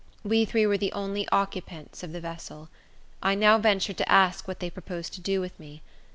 We three were the only occupants of the vessel. I now ventured to ask what they proposed to do with me.